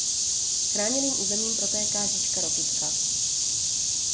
Chráněným územím protéká říčka Rokytka.